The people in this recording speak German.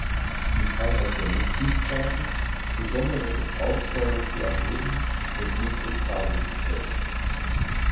Die Freiheit der Mitgliedstaaten, besondere Verbrauchsteuern zu erheben, wird nicht in Frage gestellt.